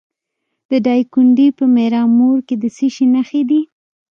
د دایکنډي په میرامور کې د څه شي نښې دي؟